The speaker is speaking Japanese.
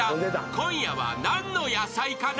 ［今夜は何の野菜かな？］